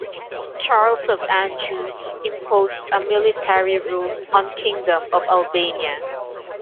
Charles of Anjou imposed a military rule on Kingdom of Albania.